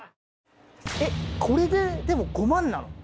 これででも５万なの？